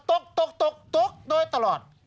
ตกตกตกตกโดยตลอด